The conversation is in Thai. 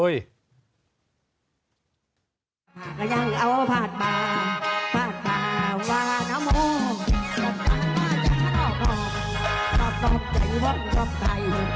จัดแต่งหน้าจัดมาต่อพอบตอบตอบใจพบต่อไป